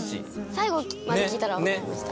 最後まで聴いたらわかりました。